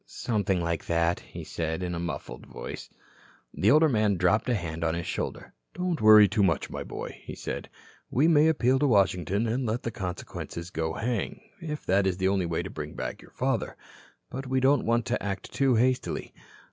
"Something like that," he said, in a muffled voice. The older man dropped a hand on his shoulder. "Don't worry too much, my boy," he said. "We may appeal to Washington, and let the consequences go hang, if that is the only way to bring back your father. But we don't want to act too hastily.